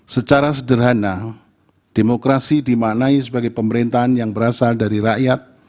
secara sederhana demokrasi dimaknai sebagai pemerintahan yang berasal dari rakyat